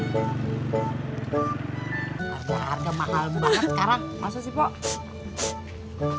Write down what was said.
harga harga mahal banget sekarang masa sih pak